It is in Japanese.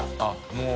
もう。